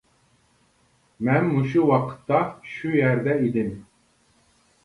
مەن مۇشۇ ۋاقىتتا شۇ يەردە ئىدىم.